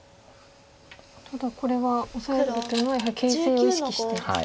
ただこれはオサえるというのはやはり形勢を意識してですか。